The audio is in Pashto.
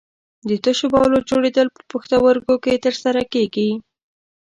د تشو بولو جوړېدل په پښتورګو کې تر سره کېږي.